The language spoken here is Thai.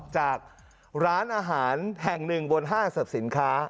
จากร้านอาหารแห่งหนึ่งบนห้างสรรพสินค้า